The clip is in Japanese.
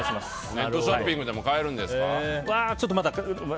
ネットショッピングでも買えるんですか？